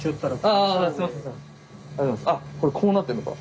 あっこれこうなってんのか。